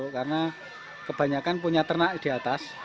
karena kebanyakan punya ternak di atas